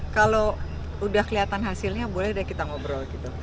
kalau udah kelihatan hasilnya boleh deh kita ngobrol gitu